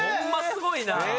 すごいな。